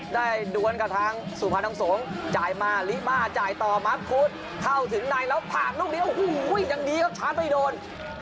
ได้ด้วนกระทั้งสุภานท้องสงฆ์จ่ายมาริมาจ่ายต่อมับคูทเข้าถึงในแล้วผ่านลูกเดียวโอ้โหยังดีครับชาร์จไม่โดน